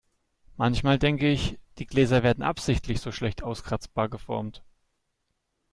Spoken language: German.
Manchmal denke ich, die Gläser werden absichtlich so schlecht auskratzbar geformt.